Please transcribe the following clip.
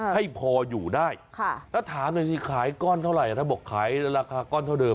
ให้พออยู่ได้แล้วถามหน่อยสิขายก้อนเท่าไหร่ถ้าบอกขายราคาก้อนเท่าเดิ